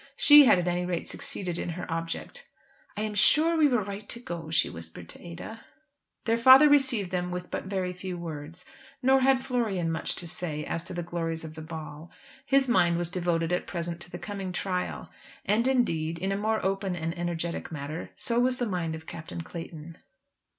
She had at any rate succeeded in her object. "I am sure we were right to go," she whispered to Ada. Their father received them with but very few words; nor had Florian much to say as to the glories of the ball. His mind was devoted at present to the coming trial. And indeed, in a more open and energetic manner, so was the mind of Captain Clayton.